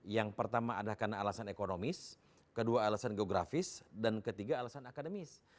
yang pertama adalah karena alasan ekonomis kedua alasan geografis dan ketiga alasan akademis